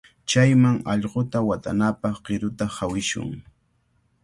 Chayman allquta watanapaq qiruta hawishun.